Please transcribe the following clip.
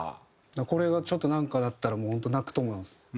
これがちょっとなんかあったらもう本当泣くと思います。